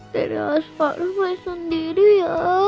terus baru main sendiri ya